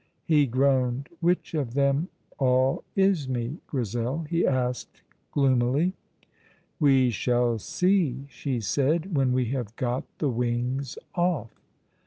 He groaned. "Which of them all is me, Grizel?" he asked gloomily. "We shall see," she said, "when we have got the wings off."